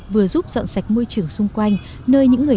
vừa giúp dọn sạch môi trường xung quanh nơi những người